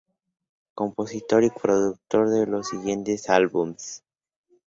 Compositor y productor de los siguientes albums